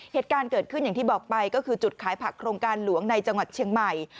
เหตุการณ์เกิดขึ้นอย่างที่บอกไปก็คือจุดขายผักโครงการหลวงในจังหวัดเชียงใหม่